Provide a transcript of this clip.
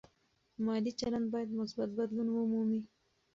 مالي چلند باید مثبت بدلون ومومي.